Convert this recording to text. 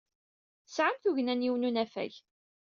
Tesɛam tugna n yiwen n unafag.